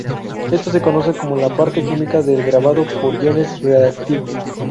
Esto se conoce como la parte química del grabado por iones reactivos.